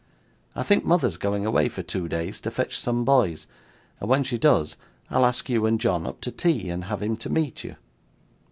I think mother's going away for two days to fetch some boys; and when she does, I'll ask you and John up to tea, and have him to meet you.